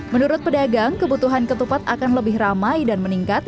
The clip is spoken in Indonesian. menurut pedagang kebutuhan ketupat akan lebih ramai dan meningkat